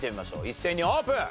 一斉にオープン！